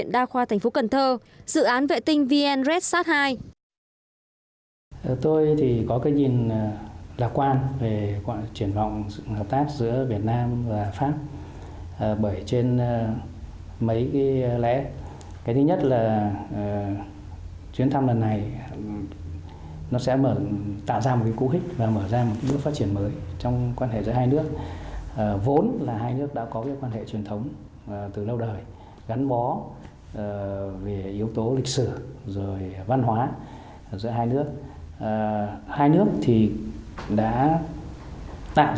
dự án vệ tinh vn redsat hai